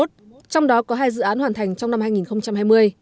trong đó có hai dự án hoàn thành trong năm hai nghìn hai mươi